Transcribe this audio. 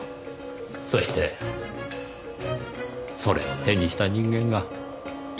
そしてそれを手にした人間がいたんです。